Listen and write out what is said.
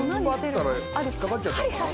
引っ掛かっちゃったのかな？